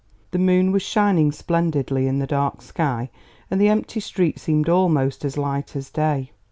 The moon was shining splendidly in the dark sky, and the empty street seemed almost as light as day.